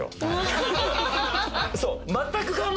そう！